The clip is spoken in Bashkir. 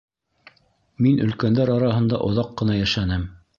Мин өлкәндәр араһында оҙаҡ ҡына йәшәнем.